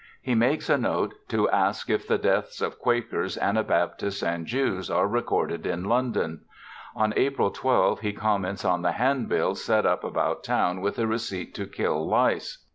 He makes a note to ask if the deaths of Quakers, Anabaptists, and Jews are recorded in London. On April 12 he comments on the handbills set up about town with a receipt to kill lice.